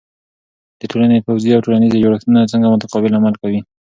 د ټولنې پوځی او ټولنیزې جوړښتونه څنګه متقابل عمل کوي؟